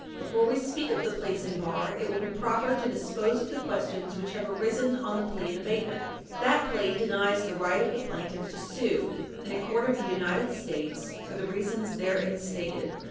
Before we speak of the pleas in bar, it will be proper to dispose of the questions which have arisen on the plea in abatement. That plea denies the right of the plaintiff to sue in a court of the United States, for the reasons therein stated.